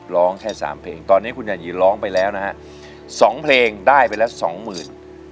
ร้องแค่๓เพลงตอนนี้คุณยายีร้องไปแล้วนะฮะ๒เพลงได้ไปแล้ว๒๐๐๐๐